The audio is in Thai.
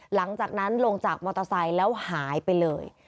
หลังจากนั้นลงจากมอเตอร์ไซค์แล้วหายไปเลย